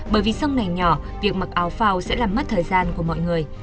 bởi vì sau này nhỏ việc mặc áo phao sẽ làm mất thời gian của mọi người